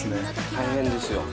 大変ですよ。